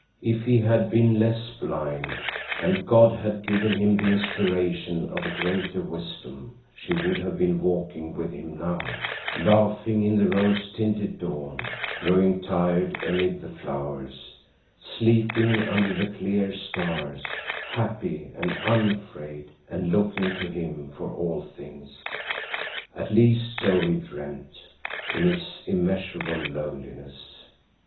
If he had been less blind, and God had given him the inspiration of a greater wisdom, she would have been walking with him now, laughing in the rose tinted dawn, growing tired amid the flowers, sleeping under the clear stars—happy and unafraid, and looking to him for all things. At least so he dreamed, in his immeasurable loneliness.